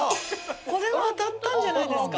これは当たったんじゃないですか？